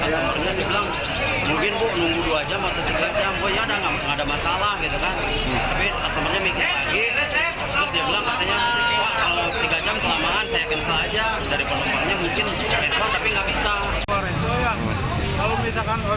terus dia bilang katanya kalau tiga jam penambahan saya yakin saja